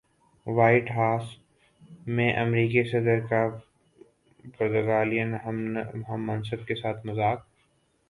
white House میں امریکی صدر کا پرتگالین ہم منصب کے ساتھ مذاق